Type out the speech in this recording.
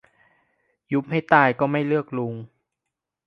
ยุบให้ตายก็ไม่เลือกลุง